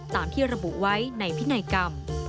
ตามที่ระบุไว้ในพินัยกรรม